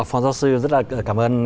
phó giáo sư rất là cảm ơn